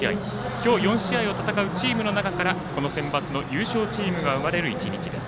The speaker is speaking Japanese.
今日４試合を戦うチームの中からこのセンバツの優勝チームが生まれる１日です。